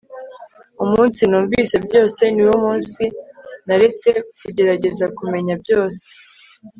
umunsi numvise byose, niwo munsi naretse kugerageza kumenya byose